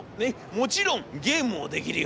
もちろんゲームもできるよ』。